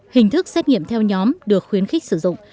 hình thức xét nghiệm theo nhóm được khuyến khích sử dụng